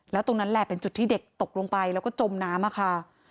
แล้วตรงนั้นแหละเป็นจุดที่เด็กตกลงไปแล้วก็จมน้ำค่ะ